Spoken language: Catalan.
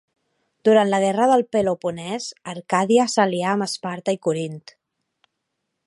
Durant la Guerra del Peloponés, Arcàdia s'alià amb Esparta i Corint.